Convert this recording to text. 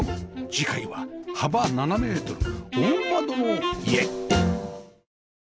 次回は幅７メートル大窓の家